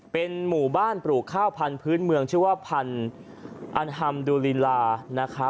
เป็นหมู่บ้านปลูกข้าวพันธุ์พื้นเมืองชื่อว่าพันธรรมดูลิลา